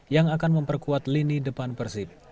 yang akan memperkuat lini depan persib